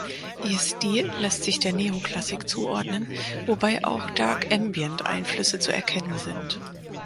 Ihr Stil lässt sich der Neoklassik zuordnen, wobei auch Dark-Ambient-Einflüsse zu erkennen sind.